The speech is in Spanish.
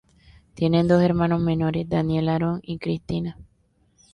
Tiene dos hermanos menores, Daniel Aaron y Cristina.